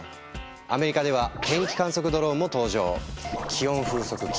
アメリカでは天気観測ドローンも登場。